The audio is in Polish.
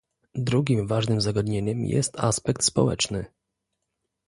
Drugim ważnym zagadnieniem jest aspekt społeczny